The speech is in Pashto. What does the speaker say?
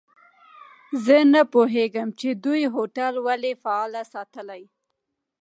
زه نه پوهیږم چي دوی هوټل ولي فعال ساتلی.